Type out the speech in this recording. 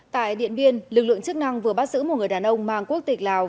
tại điện biên lực lượng chức năng vừa bắt giữ một người đàn ông mang quốc tịch lào